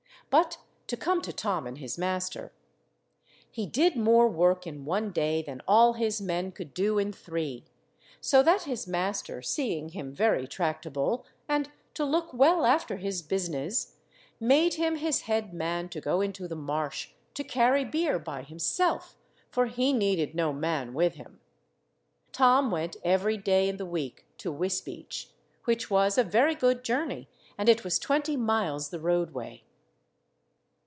But to come to Tom and his master. He did more work in one day than all his men could do in three, so that his master, seeing him very tractable, and to look well after his business, made him his head man to go into the Marsh to carry beer by himself, for he needed no man with him. Tom went every day in the week to Wisbeach, which was a very good journey, and it was twenty miles the roadway.